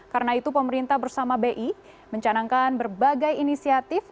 karena itu pemerintah bersama bi mencanangkan berbagai inisiatif